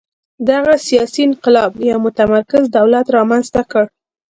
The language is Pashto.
دغه سیاسي انقلاب یو متمرکز دولت رامنځته کړ.